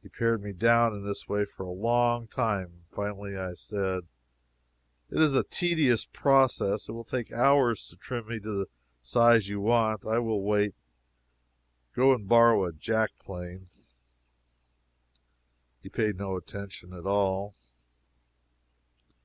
He pared me down in this way for a long time. Finally I said: "It is a tedious process. It will take hours to trim me to the size you want me; I will wait; go and borrow a jack plane." He paid no attention at all.